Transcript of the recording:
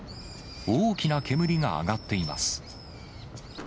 大きな煙が上がっています。